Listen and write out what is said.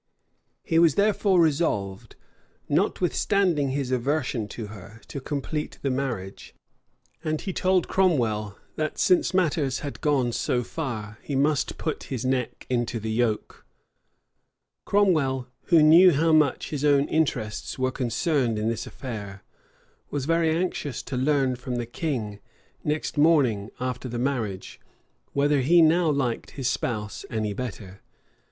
579. {1540.} He was therefore resolved, notwithstanding his aversion to her, to complete the marriage; and he told Cromwell, that, since matters had gone so far, he must put his neck into the yoke. Cromwell, who knew how much his own interests were concerned in this affair, was very anxious to learn from the king, next morning after the marriage, whether he now liked his spouse any better.